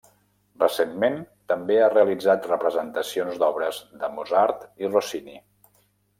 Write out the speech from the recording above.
Recentment també ha realitzat representacions d'obres de Mozart i Rossini.